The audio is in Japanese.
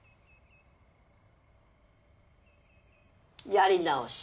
やり直し。